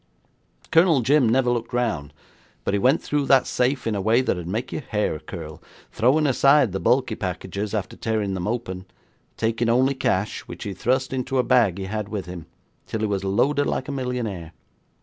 'Colonel Jim never looked round, but he went through that safe in a way that'd make your hair curl, throwing aside the bulky packages after tearing them open, taking only cash, which he thrust into a bag he had with him, till he was loaded like a millionaire.